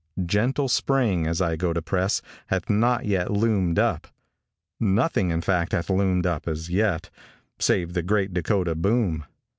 Gentle spring, as I go to press, hath not yet loomed up. Nothing in fact hath loomed up, as yet, save the great Dakota boom.